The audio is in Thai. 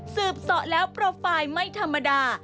เสาะแล้วโปรไฟล์ไม่ธรรมดา